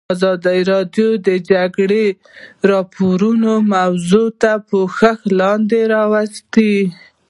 ازادي راډیو د د جګړې راپورونه موضوع تر پوښښ لاندې راوستې.